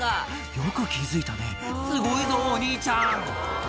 よく気付いたねすごいぞお兄ちゃん